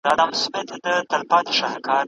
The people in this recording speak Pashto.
کار د ژوند کیفیت ټاکي.